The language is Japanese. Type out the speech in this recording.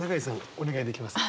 お願いできますか？